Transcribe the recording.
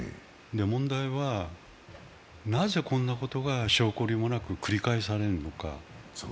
問題は、なぜこんなことが性懲りもなく繰り返されるのか。